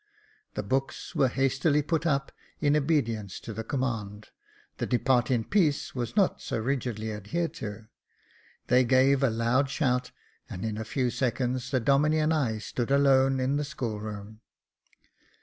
The books were hastily put up, in obedience to the command ; the depart in peace was not so rigidly adhered to — they gave a loud shout, and in a few seconds the Domine and I stood alone in the school room.